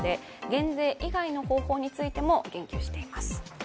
減税以外の方法についても言及しています。